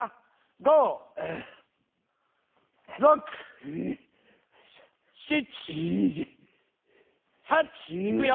５６７８いくよ？